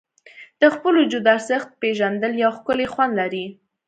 د خپل وجود ارزښت پېژندل یو ښکلی خوند لري.